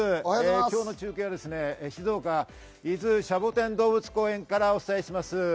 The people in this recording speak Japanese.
今日の中継は静岡・伊豆シャボテン動物公園からお伝えします。